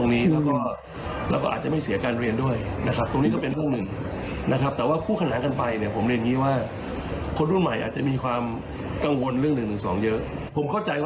สบายใจแล้วก็มีพื้นที่ที่ปลอดภัย